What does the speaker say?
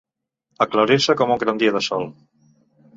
Aclarir-se com un gran dia de sol.